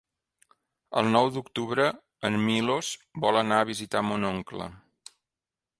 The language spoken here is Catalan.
El nou d'octubre en Milos vol anar a visitar mon oncle.